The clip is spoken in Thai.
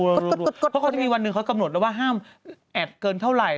เพราะบางทีวันหนึ่งเขากำหนดแล้วว่าห้ามแอดเกินเท่าไหร่